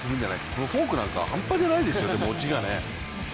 このフォークなんかは半端じゃないですよね。